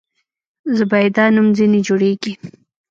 زبیده نوم ځنې جوړېږي.